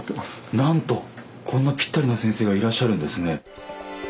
なんとこんなぴったりな先生がいらっしゃるんですね。